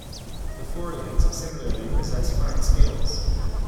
The fore legs similarly possess fine scales.